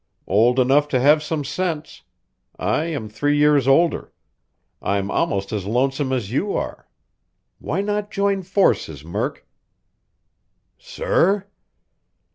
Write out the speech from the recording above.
"Old enough to have some sense. I am three years older. I'm almost as lonesome as you are. Why not join forces, Murk?" "Sir?"